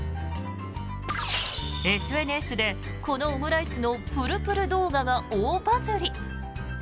ＳＮＳでこのオムライスのプルプル動画が大バズり。